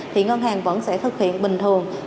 thì ngân hàng vẫn sẽ thực hiện bình thường